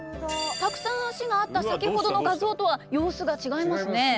たくさん脚があった先ほどの画像とは様子が違いますね。